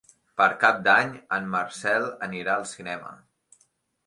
Per Cap d'Any en Marcel anirà al cinema.